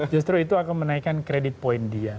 justru itu akan menaikan kredit poin dia